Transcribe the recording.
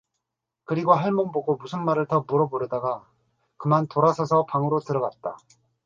그리고 할멈 보고 무슨 말을 더 물어 보려다가 그만 돌아서서 방으로 들어갔다.